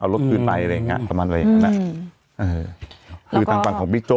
เอารถพื้นไปอะไรอย่างเงี้ยประมาณอะไรอย่างเงี้ยเออคือทางฟังของพี่โจ้